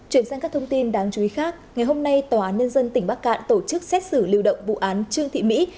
chuyển sang các thông tin đáng chú ý khác ngày hôm nay tòa án nhân dân tỉnh bắc cạn tổ chức xét xử lưu động vụ án trương thị mỹ